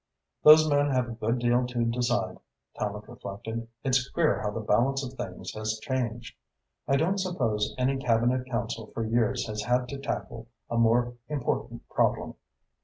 "Those men have a good deal to decide," Tallente reflected. "It's queer how the balance of things has changed. I don't suppose any Cabinet Council for years has had to tackle a more important problem."